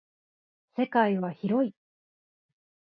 世界は広い。